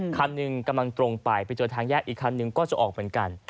คันหนึ่งกำลังตรงไปไปเจอทางแยกอีกคันหนึ่งก็จะออกเหมือนกัน